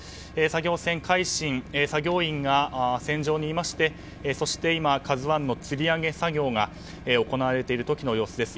作業船「海進」の作業員が船上にいましてそして今、「ＫＡＺＵ１」のつり上げ作業が行われている時の様子です。